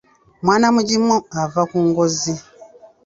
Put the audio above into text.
Mwana mugimu ava ku ngozi.